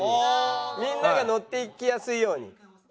みんながのっていきやすいように。